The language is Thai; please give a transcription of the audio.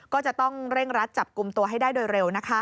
ก็จะต้องเร่งรัดจับกลุ่มตัวให้ได้โดยเร็ว